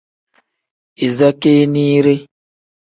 Iza keeniire.